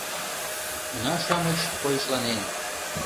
Уна-шамыч койышланен